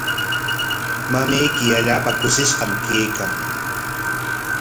Mamayki allaapa kushishqam kaykan.